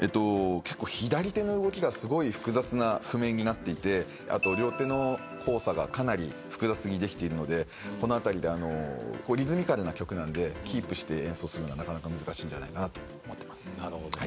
結構左手の動きがすごい複雑な譜面になっていてあと両手の交差がかなり複雑にできているのでこのあたりでリズミカルな曲なんでキープして演奏するのはなかなか難しいんじゃないかなと思ってます。